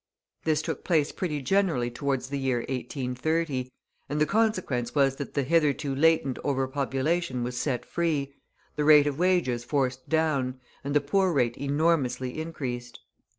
This took place pretty generally towards the year 1830, and the consequence was that the hitherto latent over population was set free, the rate of wages forced down, and the poor rate enormously increased.